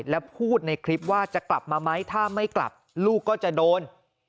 และพูดในคลิปว่าจะกลับมาไหมถ้าไม่กลับลูกก็จะโดน